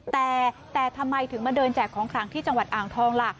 แต่ทำไมถึงมาเดินแจกของขลังที่จังหวัดอ่างทองล่ะ